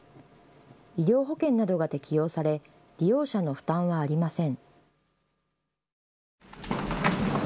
医療保険などが適用され利用者の負担はありません。